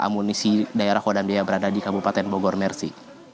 amunisi daerah kodambia berada di kabupaten bogor mersi